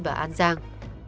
và an giang